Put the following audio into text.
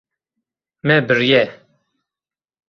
Me biriye.